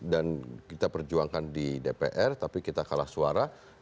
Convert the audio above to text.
dan kita perjuangkan di dpr tapi kita kalah suara